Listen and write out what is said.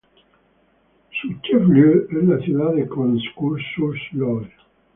Su "chef-lieu" es la ciudad de Cosne-Cours-sur-Loire.